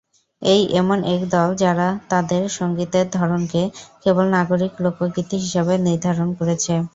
এই এমন এক দল যারা তাদের সঙ্গীতের ধরনকে কেবল নাগরিক লোকগীতি হিসেবে নির্ধারন করেছে।